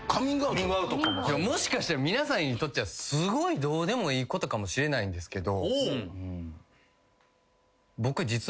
もしかしたら皆さんにとっちゃすごいどうでもいいことかもしれないんですけど。